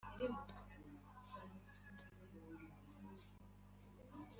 nta n umwe wemerewe gusigara i Rama.